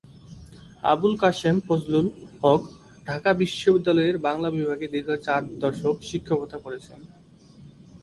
আবুল কাসেম ফজলুল হক ঢাকা বিশ্ববিদ্যালয়ের বাংলা বিভাগে দীর্ঘ চার দশক শিক্ষকতা করেছেন।